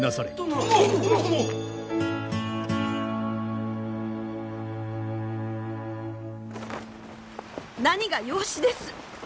なにが養子です！